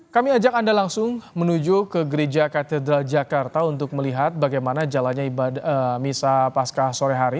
kami ajak anda langsung menuju ke gereja katedral jakarta untuk melihat bagaimana jalannya misa pasca sore hari